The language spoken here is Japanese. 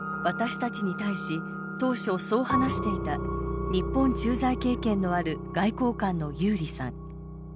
私たちに対し当初、そう話していた日本駐在経験のある外交官のユーリさん。